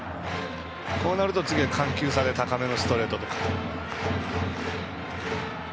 こうなると次は緩急差で高めのストレートとか。